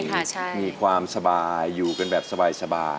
มีความสบายอยู่กันแบบสบาย